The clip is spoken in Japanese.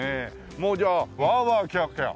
もうじゃあワーワーキャーキャー